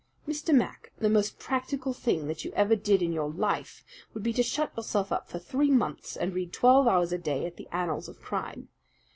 "Mr. Mac, the most practical thing that you ever did in your life would be to shut yourself up for three months and read twelve hours a day at the annals of crime.